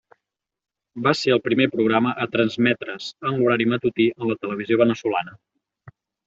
Va ser el primer programa a transmetre's en l'horari matutí en la televisió veneçolana.